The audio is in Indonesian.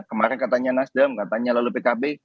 kemarin katanya nasdem katanya lalu pkb